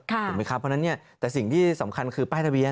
ถูกไหมครับเพราะฉะนั้นเนี่ยแต่สิ่งที่สำคัญคือป้ายทะเบียน